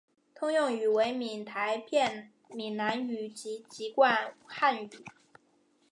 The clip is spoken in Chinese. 通用语为闽台片闽南语及籍贯汉语。